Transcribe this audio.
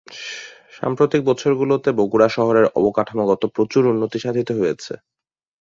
সাম্প্রতিক বছরগুলোতে বগুড়া শহরের অবকাঠামোগত প্রচুর উন্নতি সাধিত হয়েছে।